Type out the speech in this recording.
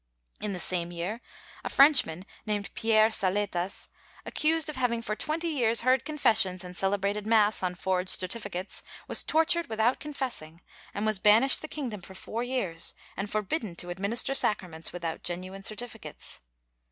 In the same year a Frenchman named Pierre Saletas, accused of having for twenty years heard confessions and celebrated mass on forged certificates, was tortured without confessing and was banished the kingdom for four years and forbidden to administer sacraments without genuine certificates.